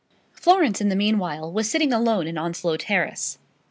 Florence in the meantime was sitting alone in Onslow Terrace.